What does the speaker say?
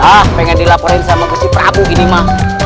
ah pengen dilaporin sama guci prabu gini mah